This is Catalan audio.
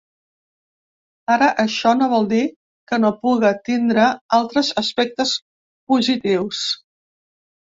Ara, això no vol dir que no puga tindre altres aspectes positius.